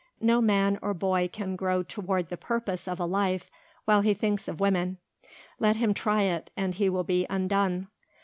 No man or boy can grow toward the purpose of a life while he thinks of women. Let him try it and he will be undone.